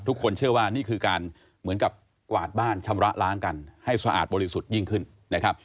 ทุกคนเชื่อว่านี่คือการเหมือนกับกวาดบ้านชำระล้างกันให้สะอาดบริสุทธิ์ยิ่งขึ้นนะครับ